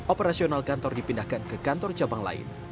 operasional kantor dipindahkan ke kantor cabang lain